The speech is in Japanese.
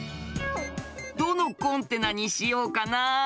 どのコンテナにしようかな。